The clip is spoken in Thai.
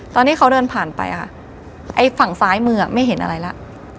ตอนที่เขาเดินผ่านไปค่ะไอ้ฝั่งซ้ายมือไม่เห็นอะไรแล้ว